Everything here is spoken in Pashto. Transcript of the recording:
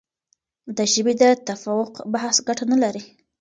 د ژبې د تفوق بحث ګټه نه لري.